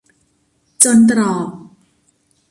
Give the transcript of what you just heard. จนตรอก